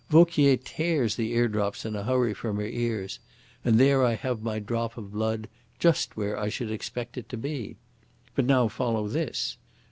Vauquier tears the eardrops in a hurry from her ears and there I have my drop of blood just where I should expect it to be. But now follow this!